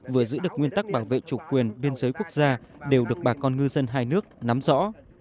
vừa giữ được nguyên tắc bảo vệ chủ quyền biên giới quốc gia đều được bà con ngư dân hai nước nắm rõ